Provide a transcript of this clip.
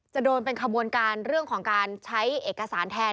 จะโดนเป็นขบวนการเรื่องของการใช้เอกสารแทน